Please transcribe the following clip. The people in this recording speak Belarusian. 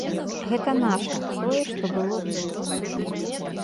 Гэта наша, тое, што было тут.